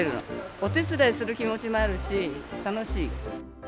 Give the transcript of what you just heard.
お手伝いする気持ちもあるし、楽しい。